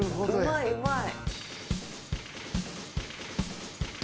うまいうまい。